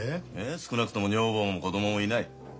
少なくとも女房も子供もいない。